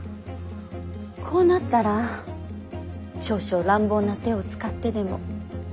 こうなったら少々乱暴な手を使ってでも。